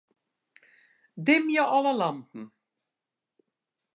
Dimje alle lampen.